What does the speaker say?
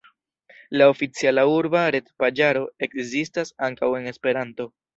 La oficiala urba retpaĝaro ekzistas ankaŭ en Esperanto.